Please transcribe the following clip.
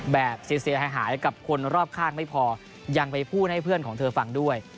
แบบเสียหายกับคนรอบข้างไม่พอยังไปพูดให้เพื่อนของเธอฟังด้วย